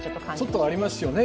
ちょっとありますよね。